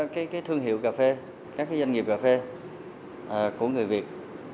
các doanh nghiệp cà phê của người việt các doanh nghiệp cà phê của người việt